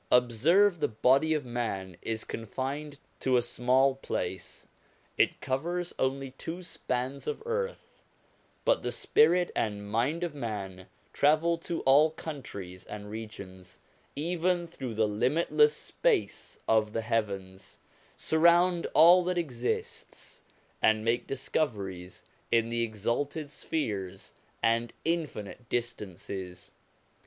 Observe that the body of man is confined to a small place]: it covers only two spans of earth; but the spirit and mind of man travel to all countries and regions even through the limitless space of the heavens surround all that exists, and make discoveries in the exalted spheres and infinite distances.